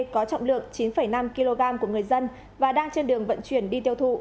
có trọng lượng chín năm kg của người dân và đang trên đường vận chuyển đi tiêu thụ